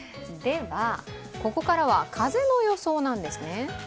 ここからは風の予想なんですね。